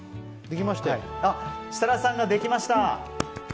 設楽さんができました。